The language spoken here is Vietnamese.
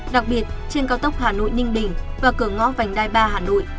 đặc biệt trên cao tốc hà nội ninh bình và cửa ngõ vành đai ba hà nội